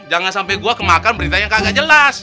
jangan sampai gue kemakan beritanya kagak jelas